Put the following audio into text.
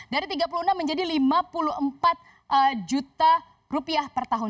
dari tiga puluh enam menjadi lima puluh empat juta rupiah per tahun